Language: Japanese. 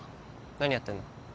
何やってんの？